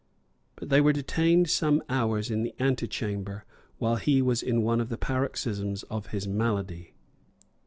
But they were detained some hours in the antechamber while he was in one of the paroxysms of his malady.